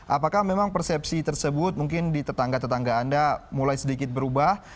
apakah memang persepsi tersebut mungkin di tetangga tetangga anda mulai sedikit berubah